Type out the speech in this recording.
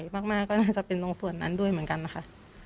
ก็ถ้าจะสงสัยมากก็น่าจะเป็นตรงส่วนนั้นด้วยเหมือนกันนะคะ